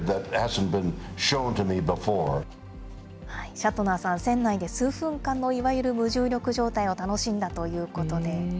シャトナーさん、船内で数分間のいわゆる無重力状態を楽しんだということです。